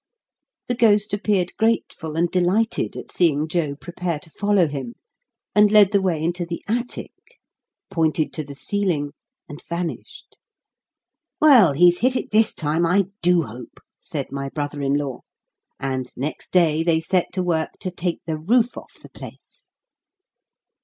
The ghost appeared grateful and delighted at seeing Joe prepare to follow him, and led the way into the attic, pointed to the ceiling, and vanished. "Well, he's hit it this time, I do hope," said my brother in law; and next day they set to work to take the roof off the place.